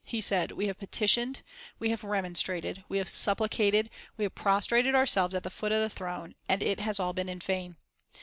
He said: "We have petitioned, we have remonstrated, we have supplicated, we have prostrated ourselves at the foot of the throne, and it has all been in vain.